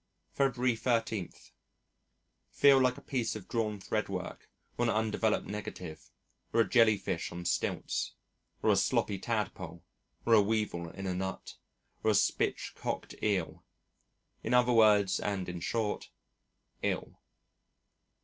February 13. Feel like a piece of drawn threadwork, or an undeveloped negative, or a jelly fish on stilts, or a sloppy tadpole, or a weevil in a nut, or a spitchcocked eel. In other words and in short ill.